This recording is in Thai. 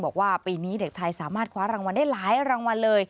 บอกว่าปีนี้เด็กไทยสามารถคว้ารางวัลได้หลายรางวัลเลย